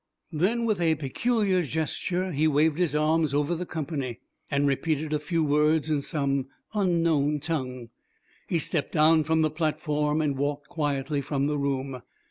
Then, with a peculiar gesture he waved his arms over the company, and repeated a few words in some unknown tongue. He stepped down from the platform and walked quietly from the room.